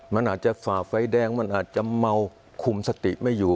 มันอาจจะฝ่าไฟแดงมันอาจจะเมาคุมสติไม่อยู่